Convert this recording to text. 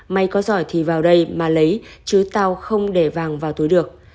may có giỏi thì vào đây mà lấy chứ tau không để vàng vào túi được